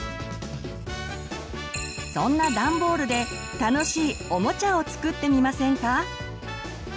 そんなダンボールで楽しいおもちゃを作ってみませんか？